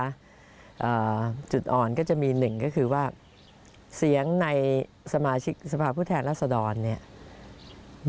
อ่าจุดอ่อนก็จะมีหนึ่งก็คือว่าเสียงในสมาชิกสถาพพฤทธานรสดรเรียนไง